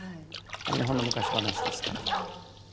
日本の昔話ですから。